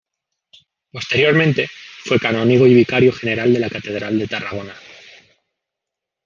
Posteriormente fue canónigo y vicario general de la Catedral de Tarragona.